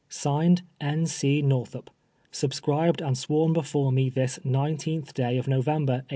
(Signed,) N. C. NOKTilUP. Subscribed and sworn before me this 10th day of November, 1852.